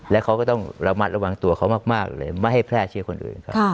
แล้วเขาก็ต้องระมัดระวังตัวเขามากเลยไม่ให้แพร่เชื้อคนอื่นครับ